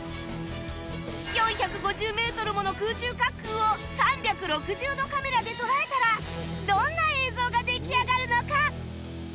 ４５０メートルもの空中滑空を３６０度カメラで捉えたらどんな映像が出来上がるのか？